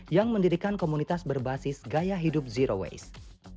yang mendirikan komunitas berbasis gaya hidup zero waste